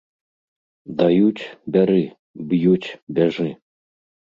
Даюць, бяры, б'юць, бяжы!